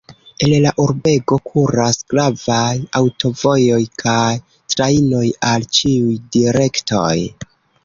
El la urbego kuras gravaj aŭtovojoj kaj trajnoj al ĉiuj direktoj.